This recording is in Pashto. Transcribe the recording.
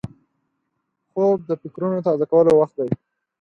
خوب د فکرونو تازه کولو وخت دی